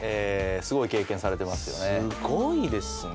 すごいですね。